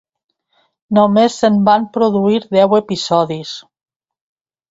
Només se'n van produir deu episodis.